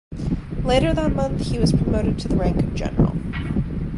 Later that month, he was promoted to the rank of General.